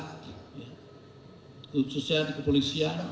khususnya dari kepolisian